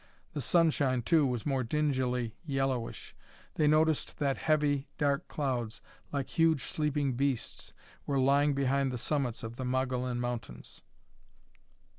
The sunshine, too, was more dingily yellowish. They noticed that heavy, dark clouds, like huge, sleeping beasts, were lying behind the summits of the Mogollon Mountains.